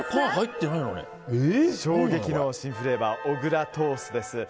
衝撃の新フレーバー小倉トーストです。